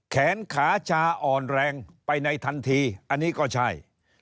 แขนขาชาอ่อนแรงไปในทันทีอันนี้ก็ใช่